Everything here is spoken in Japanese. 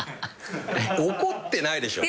怒ってないでしょ。